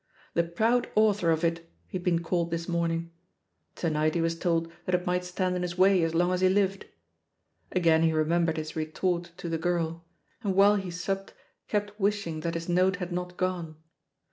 "The proud author of it" he had been called this morning; to night he was tcjld that it might stand in his way as long as he lived. Again he remembered his retort io fhe girl, and while he supped kept wishing that his note had not gone.